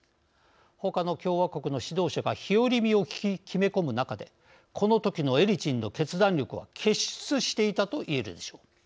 ほかの共和国の指導者が日和見を決め込む中でこのときのエリツィンの決断力は傑出していたといえるでしょう。